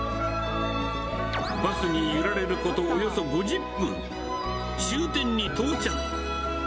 バスに揺られることおよそ５０分、終点に到着。